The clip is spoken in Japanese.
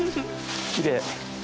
きれい。